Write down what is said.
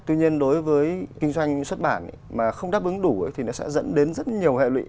tuy nhiên đối với kinh doanh xuất bản mà không đáp ứng đủ thì nó sẽ dẫn đến rất nhiều hệ lụy